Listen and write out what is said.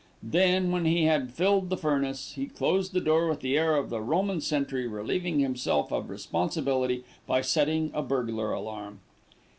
Then, when he had filled the furnace, he closed the door with the air of the Roman sentry relieving himself of responsibility by setting a burglar alarm.